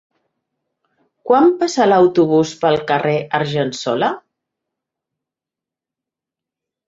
Quan passa l'autobús pel carrer Argensola?